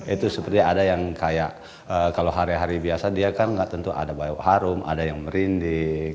itu seperti ada yang kayak kalau hari hari biasa dia kan nggak tentu ada bayau harum ada yang merinding